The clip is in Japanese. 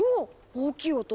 大きい音。